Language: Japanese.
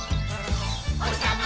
「おひさま